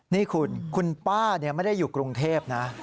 นี่คุณคุณป้าไม่ได้อยู่กรุงเทพนะ